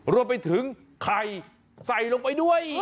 รวมไปถึงไข่ใส่ลงไปด้วย